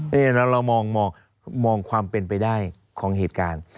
แล้วเรามองความเป็นไปได้ของเหตุการณ์